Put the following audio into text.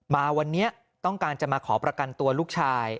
มาวันนี้ต้องการจะมาขอประกันตัวลูกชาย